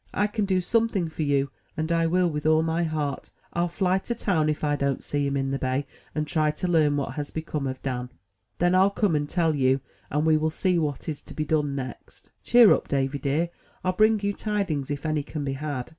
"I can do something for you; and I will, with all my heart. rU fly to town, if I don't see him in the bay, and try to learn what has become of Dan. Then I'll come and tell you, and we will see what is to be done next. Cheer up, Davy dear: I'll bring you tidings, if any can be had."